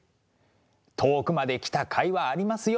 遠くまで来たかいはありますよ！